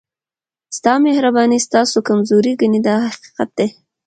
ستا مهرباني ستاسو کمزوري ګڼي دا حقیقت دی.